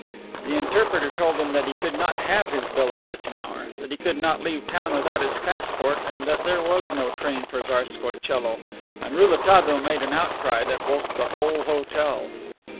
The interpreter told him that he could not have his bill at such an hour, that he could not leave town without his passport and that there was no train for Tsarskoie Coelo, and Rouletabille made an outcry that woke the whole hotel.